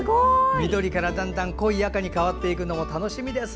緑から、だんだん濃い赤に変わっていくのも楽しみです。